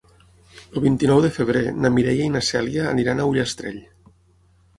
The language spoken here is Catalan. El vint-i-nou de febrer na Mireia i na Cèlia aniran a Ullastrell.